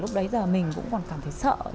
lúc đấy giờ mình cũng còn cảm thấy sợ